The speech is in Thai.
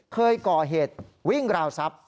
เคยก่อเหตุวิ่งราวทรัพย์